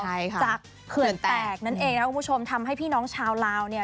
ใช่ค่ะจากเขื่อนแตกนั่นเองนะครับคุณผู้ชมทำให้พี่น้องชาวลาวเนี่ย